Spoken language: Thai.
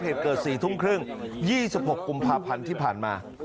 เหตุเกิดสี่ทุ่มครึ่งยี่สิบหกกุมภาพพันธุ์ที่ผ่านมา